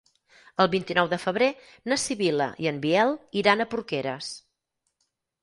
El vint-i-nou de febrer na Sibil·la i en Biel iran a Porqueres.